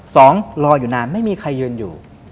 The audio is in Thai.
รออยู่นานไม่มีใครยืนอยู่